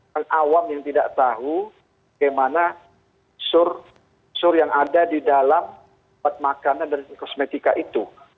yang awam yang tidak tahu bagaimana sur yang ada di dalam makanan dan kosmetika itu